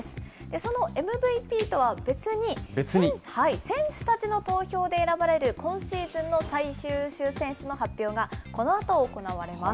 そのＭＶＰとは別に、選手たちの投票で選ばれる今シーズンの最優秀選手の発表が、このあと行われます。